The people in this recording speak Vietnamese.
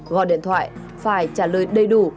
gọi điện thoại phải trả lời đầy đủ